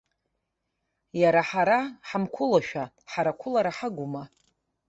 Иара ҳара ҳамқәылошәа, ҳара қәылара ҳагума.